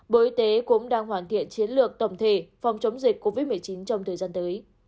bộ y tế cũng đang hoàn thiện chiến lược tổng thể phòng chống dịch covid một mươi chín trong thời gian tới